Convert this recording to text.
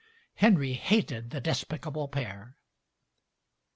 Henry hated the despicable pair.